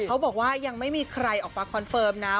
เขาบอกว่ายังไม่มีใครออกมาคอนเฟิร์มนะ